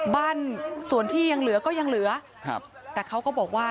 บ้านส่วนที่ยังเหลือก็ยังเหลือครับแต่เขาก็บอกว่า